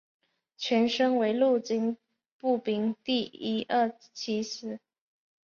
前身为陆军步兵第一二七师